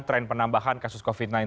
tren penambahan kasus covid sembilan belas